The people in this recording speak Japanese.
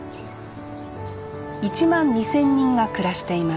１万２，０００人が暮らしています